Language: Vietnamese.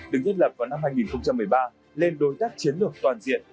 được thiết lập vào năm hai nghìn một mươi ba lên đối tác chiến lược toàn diện